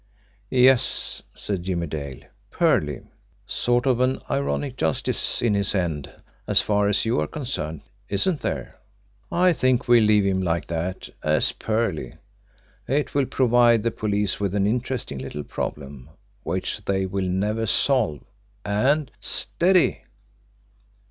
"Yes," said Jimmie Dale, "Perley! Sort of an ironic justice in his end as far as you are concerned, isn't there? I think we'll leave him like that as Perley. It will provide the police with an interesting little problem which they will never solve, and STEADY!"